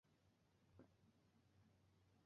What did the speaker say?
Tower house এবং mansion উভয়ই B শ্রেণীভুক্ত।